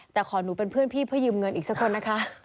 แต่ขอหนูเป็นเพื่อนพี่เพื่อยืมเงินอีกสักคนนะคะ